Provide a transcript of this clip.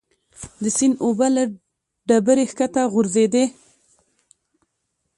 د سیند اوبه له ډبرې ښکته غورځېدې.